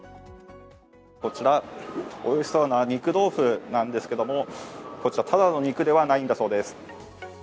こちら、おいしそうな肉豆腐なんですけれどもただの肉ではないんだそうです。